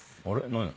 何？